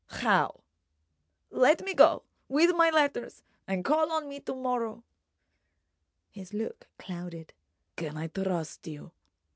"How?" "Let me go—with my letters—and call on me to morrow." His look clouded. "Can I trust you?"